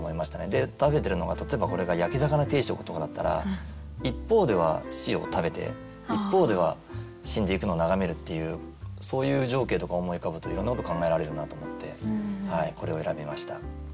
で食べてるのが例えばこれが焼き魚定食とかだったら一方では死を食べて一方では死んでいくのを眺めるっていうそういう情景とか思い浮かぶといろんなこと考えられるなと思ってこれを選びました。